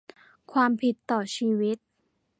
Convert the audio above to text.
ความผิดต่อชีวิต